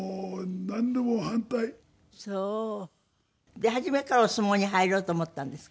で初めからお相撲に入ろうと思ったんですか？